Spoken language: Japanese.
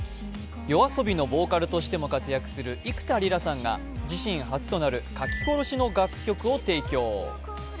ＹＯＡＳＯＢＩのボーカルとしても活躍する幾田りらさんが自身初となる書き下ろしの楽曲を提供。